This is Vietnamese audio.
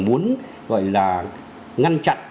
muốn gọi là ngăn chặn